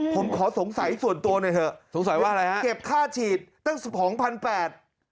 ผมขอสงสัยส่วนตัวหน่อยเถอะสงสัยว่าอะไรฮะเก็บค่าฉีดตั้งสิบสองพันแปด